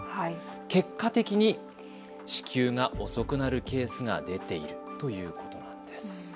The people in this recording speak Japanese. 結果的に支給が遅くなるケースが出ているということです。